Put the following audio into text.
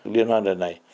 liên hoan lần này